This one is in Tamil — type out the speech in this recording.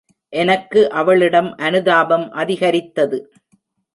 எனக்கு அவளிடம் அனுதாபம் அதிகரித்தது.